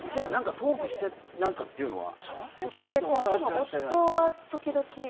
トークして何かっていうのは。